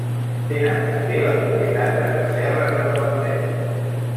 Tenen també la propietat de Tresserres de Tavertet.